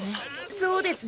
そうですね。